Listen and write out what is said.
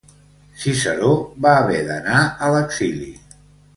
Ciceró va haver d'anar a l'exili.